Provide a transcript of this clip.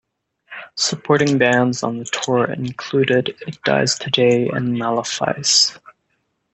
Supporting bands on the tour included It Dies Today and Malefice.